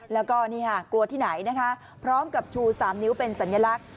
แล้วก็นี่ค่ะกลัวที่ไหนนะคะพร้อมกับชู๓นิ้วเป็นสัญลักษณ